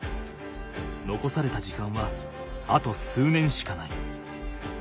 残された時間はあと数年しかない。